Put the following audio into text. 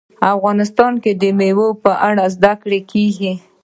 افغانستان کې د مېوې په اړه زده کړه کېږي.